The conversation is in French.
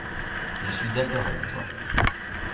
Je suis d’accord avec toi.